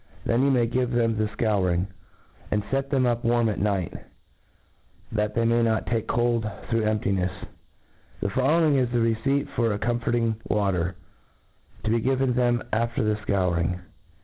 Then you may give them the fcouring, and fet them up w^rm all night, that they may not \take cold thro* emptinefs. — ^Thc' following, is the teceipt for a comforting Water, to be given them after the fcouring.